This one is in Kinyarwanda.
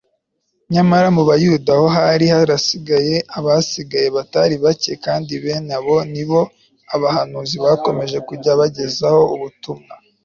nyamara mu buyuda ho hari harasigaye abasigaye batari bake, kandi bene abo ni bo abahanuzi bakomeje kujya bagezaho ubutumwa